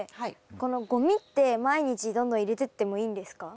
このごみって毎日どんどん入れてってもいいんですか？